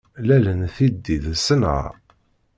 Lal n tiddi d ṣenɛa.